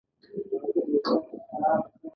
د قلم اخیستل مهم دي.